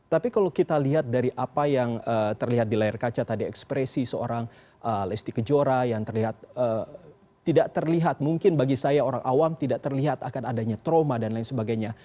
tapi kalau kita lihat dari apa yang terlihat di layar kaca tadi ekspresi seorang lesti kejora yang terlihat tidak terlihat mungkin bagi saya orang awam tidak terlihat akan adanya trauma dan lain sebagainya